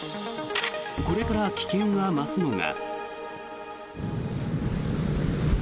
これから危険が増すのが。